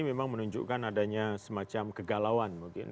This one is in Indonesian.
memang menunjukkan adanya semacam kegalauan mungkin